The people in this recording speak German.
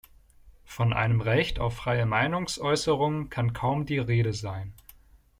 Von einem Recht auf freie Meinungsäußerung kann kaum die Rede sein.